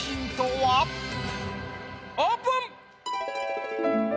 オープン！